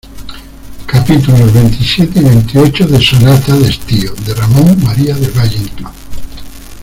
capítulos veintisiete y veintiocho de Sonata de estío, de Ramón María del Valle-Inclán.